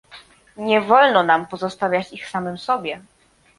Nie wolno nam pozostawiać ich samym sobie